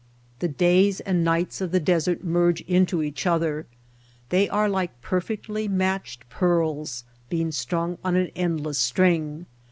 The days and nights of the desert merge into each other. They are like perfectly matched pearls being strung on an endless string.